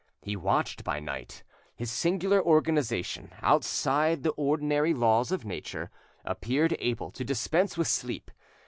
He watched by night: his singular organisation, outside the ordinary laws of nature, appeared able to dispense with sleep.